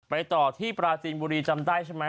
ต่อที่ปราจีนบุรีจำได้ใช่ไหม